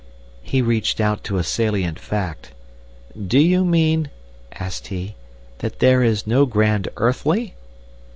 "He reached out to a salient fact. 'Do you mean,' asked, 'that there is no Grand Earthly?